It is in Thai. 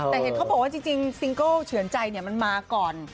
แต่เห็นเขาบอกว่าจริงซิงเกิลเฉือนใจมันมาก่อน